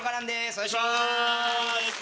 お願いします。